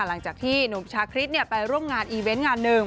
หลังจากที่หนุ่มชาคริสไปร่วมงานอีเวนต์งานหนึ่ง